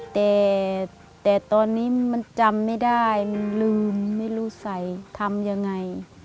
แต่ตอนนี้มันจำไม่ได้มันลืมไม่รู้ใส่ทำยังไง